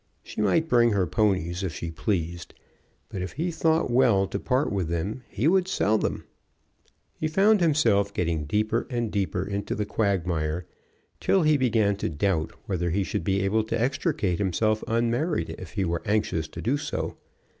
She might bring her ponies if she pleased, but if he thought well to part with them he would sell them. He found himself getting deeper and deeper into the quagmire, till he began to doubt whether he should be able to extricate himself unmarried if he were anxious to do so.